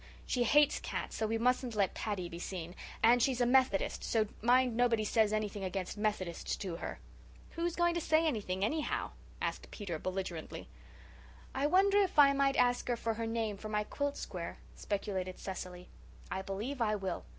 She hates cats, so we mustn't let Paddy be seen. And she's a Methodist, so mind nobody says anything against Methodists to her." "Who's going to say anything, anyhow?" asked Peter belligerently. "I wonder if I might ask her for her name for my quilt square?" speculated Cecily. "I believe I will.